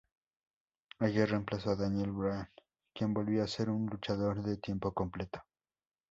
Ella reemplazó a Daniel Bryan, quien volvió a ser un luchador de tiempo completo.